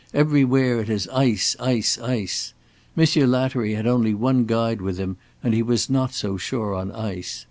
Everywhere it is ice, ice, ice. Monsieur Lattery had only one guide with him and he was not so sure on ice.